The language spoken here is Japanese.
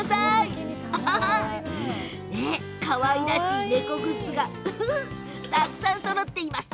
かわいらしい猫グッズがたくさんそろっています。